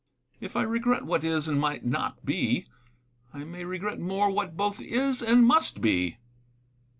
If I regret what is and might not be, I may regret more what both is and must be.